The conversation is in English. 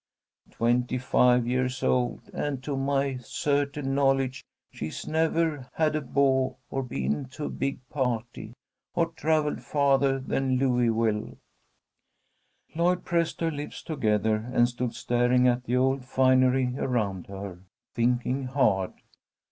Twenty five years old, and to my certain knowledge she's never had a beau or been to a big party, or travelled farther than Louisville." Lloyd pressed her lips together and stood staring at the old finery around her, thinking hard.